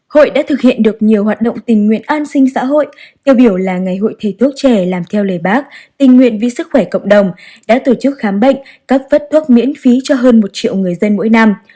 hội đã thực hiện được nhiều hoạt động tình nguyện an sinh xã hội tiêu biểu là ngày hội thầy thuốc trẻ làm theo lời bác tình nguyện vì sức khỏe cộng đồng đã tổ chức khám bệnh cấp phát thuốc miễn phí cho hơn một triệu người dân mỗi năm